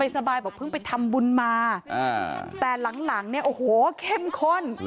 สบายบอกเพิ่งไปทำบุญมาแต่หลังเนี่ยโอ้โหเข้มข้น